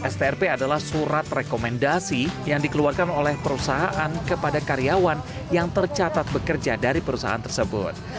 strp adalah surat rekomendasi yang dikeluarkan oleh perusahaan kepada karyawan yang tercatat bekerja dari perusahaan tersebut